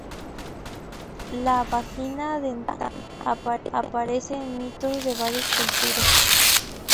La "vagina dentata" aparece en mitos de varias culturas.